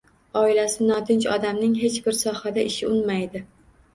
Oilasi notinch odamning hech bir sohada ishi unmaydi.